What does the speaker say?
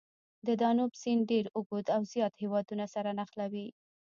د دانوب سیند ډېر اوږد او زیات هېوادونه سره نښلوي.